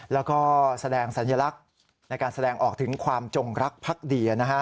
แล้วก็แสดงสัญลักษณ์ในการแสดงออกถึงความจงรักพักดี